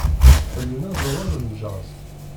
Ḥemmlen aẓawan n jazz.